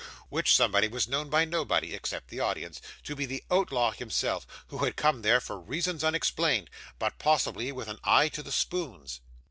which somebody was known by nobody (except the audience) to be the outlaw himself, who had come there, for reasons unexplained, but possibly with an eye to the spoons.